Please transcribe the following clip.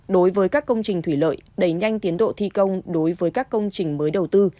đối với các công trình thủy lợi đẩy nhanh tiến độ thi công đối với các công trình mới đầu tư